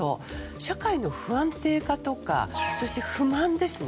社会の不安定化とかそして不満ですね。